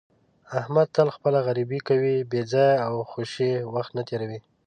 احمد تل خپله غریبي کوي، بې ځایه او خوشې وخت نه تېروي.